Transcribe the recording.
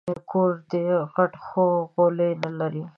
کور دي غټ دی خو غولی نه لري